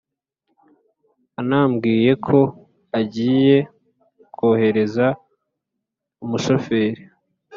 anambwiye ko agiye kohereza umushofer